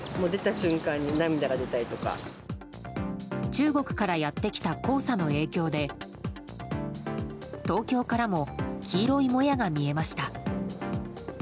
中国からやってきた黄砂の影響で東京からも黄色いもやが見えました。